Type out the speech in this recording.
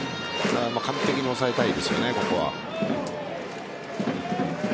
完璧に抑えたいですね、ここは。